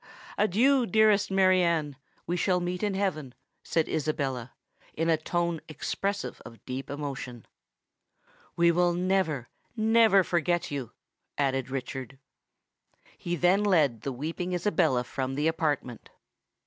"Adieu, dearest Mary Anne: we shall meet in heaven!" said Isabella, in a tone expressive of deep emotion. "We will never—never forget you," added Richard. He then led the weeping Isabella from the apartment.